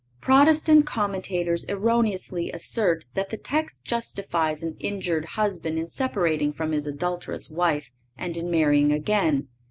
Protestant commentators erroneously assert that the text justifies an injured husband in separating from his adulterous wife and in marrying again.